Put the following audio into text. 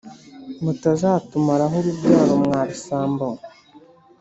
mutazatumaraho urubyaro mwa bisambo mwe